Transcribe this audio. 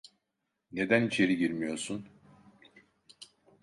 Neden içeri girmiyorsun?